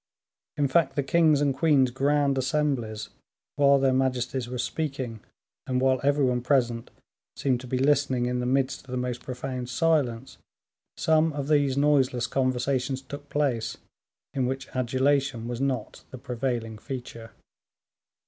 In fact, the king's and queen's grand assemblies, while their majesties were speaking, and while every one present seemed to be listening in the midst of the most profound silence, some of these noiseless conversations took place, in which adulation was not the prevailing feature.